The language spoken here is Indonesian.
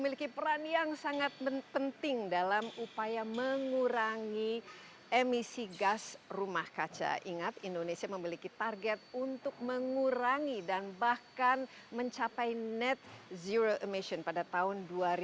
ingat indonesia memiliki target untuk mengurangi dan bahkan mencapai net zero emission pada tahun dua ribu enam puluh